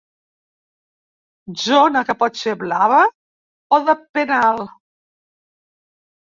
Zona que pot ser blava o de penal.